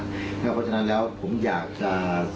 ก็เพราะฉะนั้นแล้วผมอยากจะสัมกัด